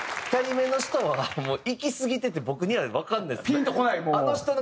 ２人目の人はもういきすぎてて僕にはわからないです。